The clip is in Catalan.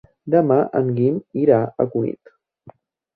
Demà en Guim irà a Cunit.